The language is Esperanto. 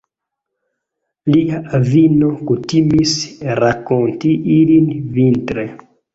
Lia avino kutimis rakonti ilin vintre.